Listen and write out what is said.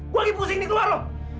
gue lagi pusing di luar loh